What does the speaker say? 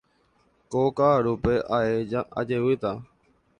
Ko ka'arúpe ae ajevýta.